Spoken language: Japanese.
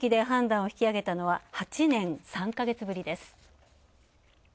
判断を引き上げたのは８年３か月ぶりです。